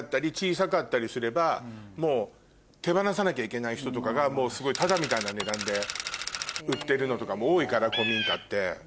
もう手放さなきゃいけない人とかがタダみたいな値段で売ってるのとかも多いから古民家って。